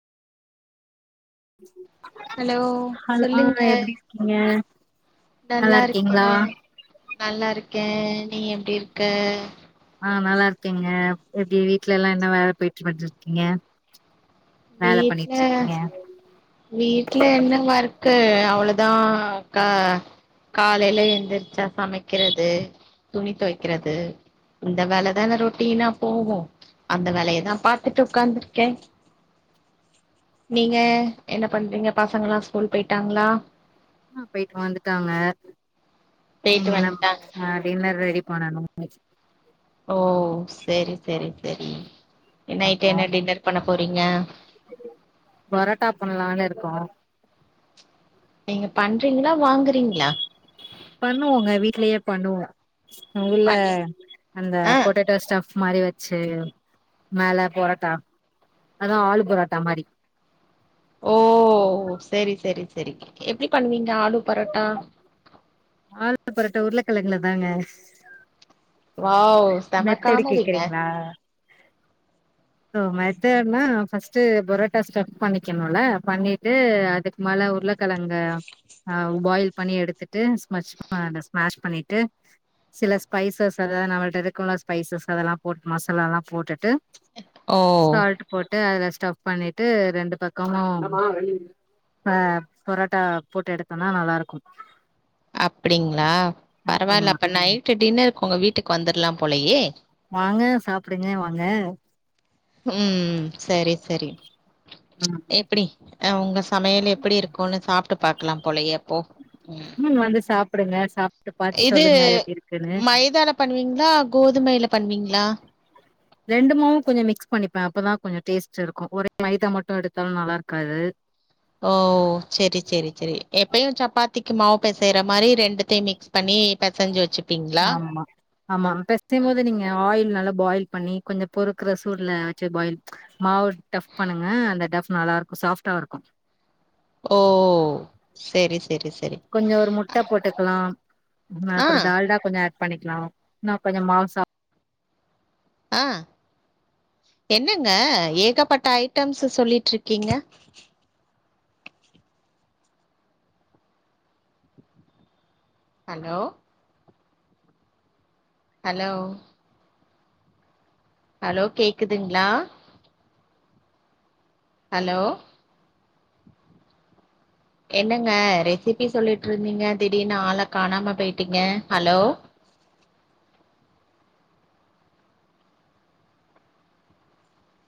hello hello ஆஹ சொல்லுங்க எப்படி இருக்கீங்க நல்லா இருக்கீங்களா நல்லா இருக்கேன் நீ எப்படி இருக்க ஆஹ நல்லா இருக்கீங்க எப்படி வீடல எல்லாம் என்ன வேலை போயிட்டு பன்னிடுருக்கீங்க வீட்டு்ல வீட்டு்ல என்ன வரு அவ்வளவுதான் கா காலையில எந்திரிச்சா சமைக்கிறது துணி துவக்கிறது இந்த வேலைதான் இந்த ரொட்டினா போகும் அந்த வேலையதான் பாாரத்துட்டு உட்காந்துருக்கேன் நீங்க என்ன பண்றீங்க பசங்களாம் ஸ்கூல் போயிட்டாங்களா ஆஹ போயிட்டு வந்துட்டாங்க போயிட்டு நீங்க எல்லாம் வந்ட்டாங்க டின்னர் ரெடி பனானு ஓ சோரி சோரி சோரி நைட் என்ன டின்னர் பண்ண பே போறீங்க பரட்டா பண்ணலாம்னு இருக்கோம் நீங்க பண்றீங்களா வாங்குறீங்களா பண்ணுவோங்க வீட்லயே பண்ணுவோம் உங்கள்ள பண்ணி அந்த ஆ கெட்டேட்டோ ஸ்டாப் மாரி வச்சு மேல பொரோட்டா அதவு ஆளு பொரோட்டா மாரி ஓ சரி சரி சரி எப்படி பண்ணுவீங்க ஆளு பரோட்டா ஆல புரட்ட உருளைக்கிழங்கல தாங்க வாவ் மெத்தடு செமக்காமடிங்க ஓ மெத்தடுனா ஃபஸ்ட்டு பொரோட்டா ஸ்டப் பண்ணிக்கணும்ல பண்ணிட்டு அதுக்கு மேலே உருளைக்கெழங்கு பாயில் பண்ணி எடுத்துட்டு ஸ்மஷ ஸ்மாஷ் பண்ணிட்டு சில ஸ்பைசஸ் அதாவது நம்மள்கிட்ட இருக்கல ஸ்பைசஸ் அதெல்லாம் போட்டு மசால எல்லாம் போட்டுட்டு ஓ சால்ட் போட்டு அதுல ஸ்டப் பண்ணிட்டு ரெண்டு பக்கமும் ஆஹ பரோட்டா போட்டு எடுத்தோனா நல்லா இருக்கும் அப்படிங்களா பரவாயில்ல அப்ப நைட்டு் டின்னர் உங்க வீட்டுக்கு வந்துடலாம் போலையே வாங்க சாப்பிடுங்க வாங்க உம் சரி சரி ம் எப்படிஹ் உங்க சமையல எப்படி இருக்கும்ன்னனு சாப்பிட்டு பாக்கலாம் போலைய அப்போ உ சாப்புடுங்க சாப்ப இது மைதால பண்ணுவீங்களா கோதுமைையில பண்ணுவீங்களா ரெண்டுமும் கொஞ்சம் மிக்ஸ் பண்ணிப்பேன் அப்பதான் கொஞ்சம் டேஸ்ட் இருக்கும் ஒரே மைதா மட்டும் எடுத்தாலும் நல்லா இருக்காது ஓ சரி சரி சரி இப்பயும் சப்பாத்திக்கு மாவு பெசயற மாதிரி ரெண்டுத்தையும் மிக்ஸ் பண்ணி பெசஞ்சு வச்சு ஆமா ஆமா பெசயும் போது நீங்க ஆயில் நல்ல பாயில் பண்ணி கொஞ்சம் பொறுக்கற சூடுல வச்சு பாயில் மாவு டஃப் பண்ணுங்க அந்த டஃப் நல்லா இருக்கும் சாஃப்டா இருக்கும் ஓ சரி சரி சரி ஆஹ டா ல்டா ஸ்டப் பண்ணிக்கலாம் கொஞ்சம் மாவு சாப் அஹ் என்னங்க ஏகப்பட்ட ஐட்டம்ஸ் சொல்லிட்டு இருக்கீங்க ஹலோ ஹலோ ஹலோ கேக்குதுங்களா ஹலோ என்னங்க ரெசிபி சொல்லிட்டு இருந்தீங்க திடீர்னுஆளை காணாம போயிட்டீங்க ஹலோ